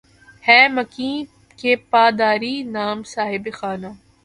ہے مکیں کی پا داری نام صاحب خانہ